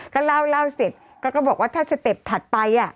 ก็เล่าเสร็จก็บอกว่าถ้าสเต็ปถัดไป